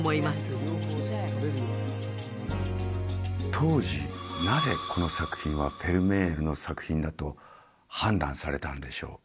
当時なぜこの作品はフェルメールの作品だと判断されたんでしょう？